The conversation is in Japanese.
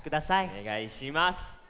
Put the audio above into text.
おねがいします。